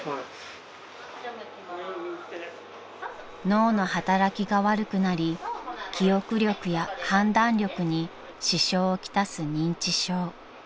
［脳の働きが悪くなり記憶力や判断力に支障を来す認知症］